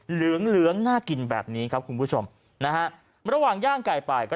เหลืองเหลืองน่ากินแบบนี้ครับคุณผู้ชมนะฮะระหว่างย่างไก่ป่ายก็